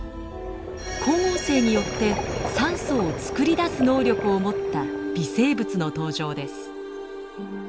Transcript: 光合成によって酸素を作り出す能力を持った微生物の登場です。